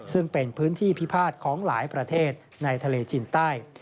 ซึ่งเป็นพื้นที่พิพาทของหลายประเทศในทะเลจีนใต้